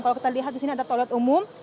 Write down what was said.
kalau kita lihat di sini ada toilet umum